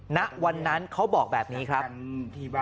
ณวันนั้นเขาบอกแบบนี้ครับอืม